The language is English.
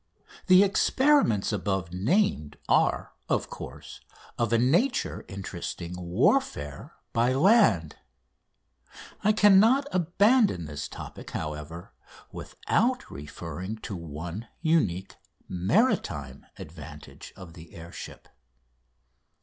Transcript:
The experiments above named are, of course, of a nature interesting warfare by land. I cannot abandon this topic, however, without referring to one unique maritime advantage of the air ship.